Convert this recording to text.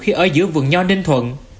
khi ở giữa vườn nho ninh thuận